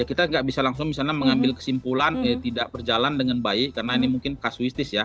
kita nggak bisa langsung misalnya mengambil kesimpulan tidak berjalan dengan baik karena ini mungkin kasuistis ya